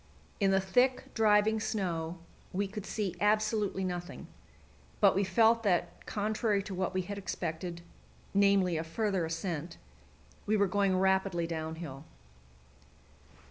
In the thick, driving snow we could see absolutely nothing; but we felt that, contrary to what we had expected namely, a further ascent we were going rapidly downhill.